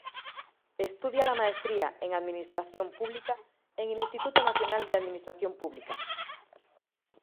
Estudia la maestría en Administración Pública en el Instituto Nacional de Administración Pública.